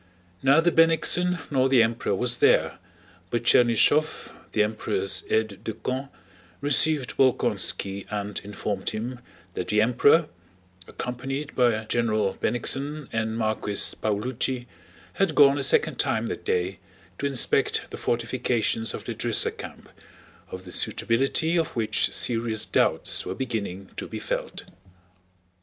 Neither Bennigsen nor the Emperor was there, but Chernýshev, the Emperor's aide de camp, received Bolkónski and informed him that the Emperor, accompanied by General Bennigsen and Marquis Paulucci, had gone a second time that day to inspect the fortifications of the Drissa camp, of the suitability of which serious doubts were beginning to be felt.